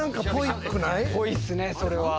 ぽいっすねそれは。